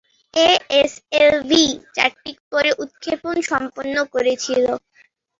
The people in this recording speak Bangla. এ এস এল ভি চারটি করে উৎক্ষেপণ সম্পন্ন করেছিল।